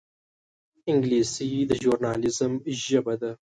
انګلیسي د ژورنالېزم ژبه ده